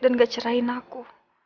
semoga kamu gak marah sama aku